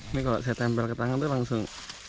ini kalau saya tempel ke tangan tuh langsung